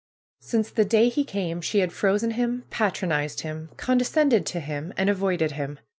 Since the day he came she had frozen him, patronized him, condescended to him, and avoided him.